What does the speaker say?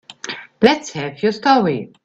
Let's have your story.